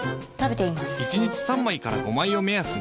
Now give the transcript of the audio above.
１日３枚から５枚を目安に。